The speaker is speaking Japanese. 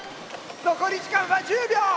残り時間は１０秒！